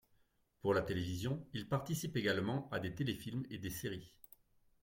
Pour la télévision, il participe également à des téléfilms et des séries.